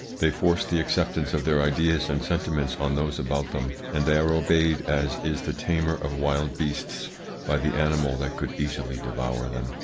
They force the acceptance of their ideas and sentiments on those about them, and they are obeyed as is the tamer of wild beasts by the animal that could easily devour him.